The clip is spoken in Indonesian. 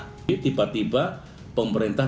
jadi tiba tiba pemerintah